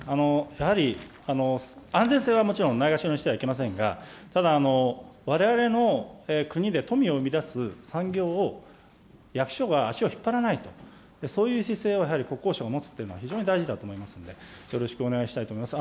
やはり安全性はもちろんないがしろにしてはいけませんが、ただわれわれの国で富を生み出す産業を、役所が足を引っ張らないと、そういう姿勢を国交省が持つというのは非常に大事だと思いますので、よろしくお願いしたいと思います。